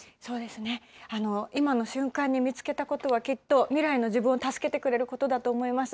そうですね、今の瞬間に見つけたことは、きっと未来の自分を助けてくれることだと思います。